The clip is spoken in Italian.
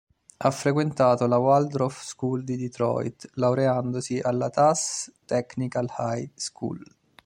Ha frequentato la Waldorf School di Detroit, laureandosi alla Tass technical High School.